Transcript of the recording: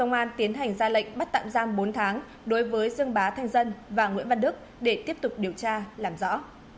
công an tiến hành ra lệnh bắt tạm giam bốn tháng đối với dương bá thanh dân và nguyễn văn đức để tiếp tục điều tra làm rõ